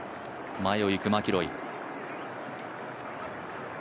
前を行くマキロイ。